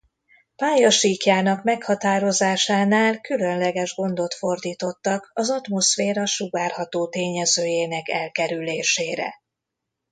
Pályasíkjának meghatározásánál különleges gondot fordítottak az atmoszféra sugár-hatótényezőjének elkerülésére.